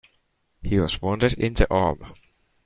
He was wounded in the arm.